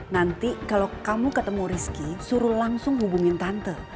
nanti kalau kamu ketemu rizky suruh langsung hubungin tante